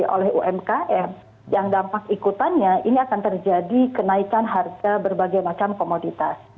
oleh umkm yang dampak ikutannya ini akan terjadi kenaikan harga berbagai macam komoditas